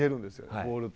ボールって。